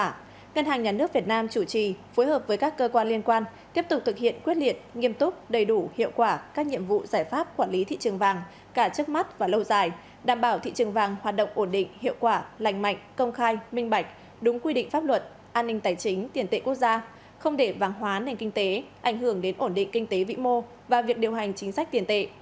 thủ tướng chính phủ yêu cầu ngân hàng nhà nước việt nam chủ trì phối hợp với các cơ quan liên quan tiếp tục thực hiện quyết liệt nghiêm túc đầy đủ hiệu quả các nhiệm vụ giải pháp quản lý thị trường vàng cả trước mắt và lâu dài đảm bảo thị trường vàng hoạt động ổn định hiệu quả lành mạnh công khai minh bạch đúng quy định pháp luật an ninh tài chính tiền tệ quốc gia không để vang hóa nền kinh tế ảnh hưởng đến ổn định kinh tế vĩ mô và việc điều hành chính sách tiền tệ